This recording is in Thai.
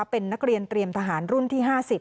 เป็นนักเรียนเตรียมทหารรุ่นที่๕๐